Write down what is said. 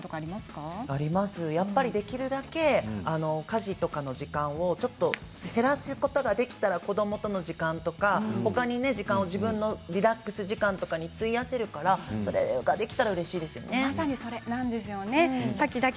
やっぱりできるだけ家事とかの時間を減らすことができたら子どもとの時間とか自分のリラックス時間に費やせるからそれができたらいいですよね。